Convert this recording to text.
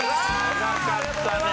長かったね。